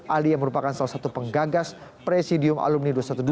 ali yang merupakan salah satu penggagas presidium alumni dua ratus dua belas